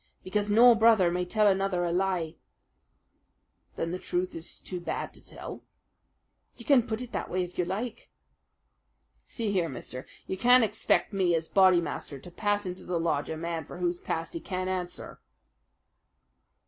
"Because no brother may tell another a lie." "Then the truth is too bad to tell?" "You can put it that way if you like." "See here, mister, you can't expect me, as Bodymaster, to pass into the lodge a man for whose past he can't answer."